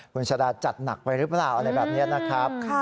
คุณชาดาจัดหนักไปหรือเปล่าอะไรแบบนี้นะครับ